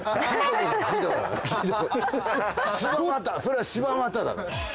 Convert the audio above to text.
それは柴又だから。